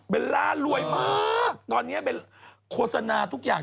ล่ารวยมากตอนนี้โฆษณาทุกอย่าง